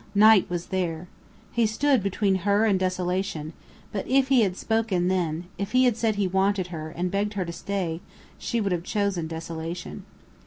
Knight was there. He stood between her and desolation; but if he had spoken then if he had said he wanted her, and begged her to stay, she would have chosen desolation.